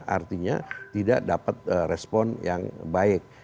artinya tidak dapat respon yang baik